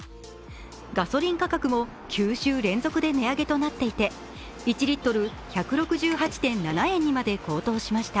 ガソリン価格も９週連続で値上げとなっていて１リットル＝１６８．７円にまで高騰しました。